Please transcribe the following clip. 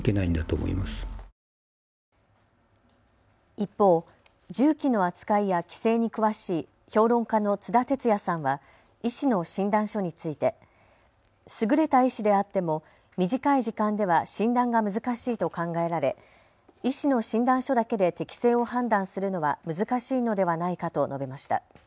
一方、銃器の扱いや規制に詳しい評論家の津田哲也さんは医師の診断書について優れた医師であっても短い時間では診断が難しいと考えられ医師の診断書だけで適性を判断するのは難しいのではないかと述べました。